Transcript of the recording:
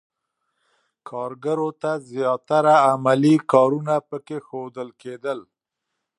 کارګرو ته زیاتره عملي کارونه پکې ښودل کېدل.